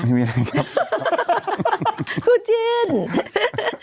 ไม่มีอะไรครับ